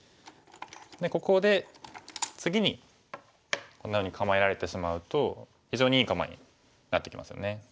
でここで次にこんなふうに構えられてしまうと非常にいい構えになってきますよね。